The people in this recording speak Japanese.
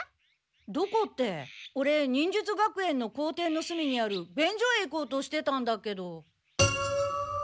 「どこ？」ってオレ忍術学園の校庭のすみにある便所へ行こうとしてたんだけど。